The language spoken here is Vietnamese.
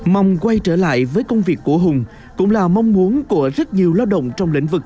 mong quay trở lại với công việc của hùng cũng là mong muốn của rất nhiều lao động trong lĩnh vực